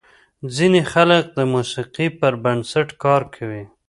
ځینې خلک د موسیقۍ پر بنسټ کار کوي.